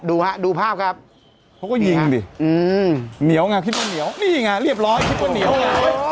ดูฮะดูภาพครับเขาก็ยิงดิเหนียวไงคิดว่าเหนียวนี่ไงเรียบร้อยคิดว่าเหนียวไง